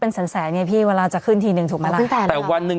พร้อมเป็นแค่แผงใช่ไหมพี่ฯเวลาจะขึ้นทีนึงถูกแต่วันหนึ่ง